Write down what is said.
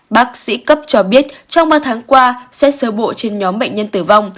bác sĩ cấp cho biết trong ba tháng qua xét sơ bộ trên nhóm bệnh nhân tử vong